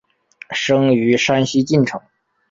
生于山西晋城。